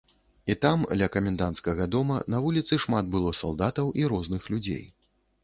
І там, ля каменданцкага дома, на вуліцы шмат было салдатаў і розных людзей.